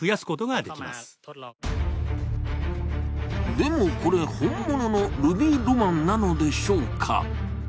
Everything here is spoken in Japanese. でもこれ、本物のルビーロマンなのでしょうか。